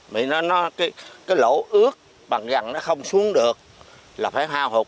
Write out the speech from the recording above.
bị nó cái lỗ ướt bằng rằng nó không xuống được là phải hao hụt